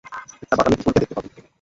একটা বাদামী কুকুরকে দেখতে পাবে।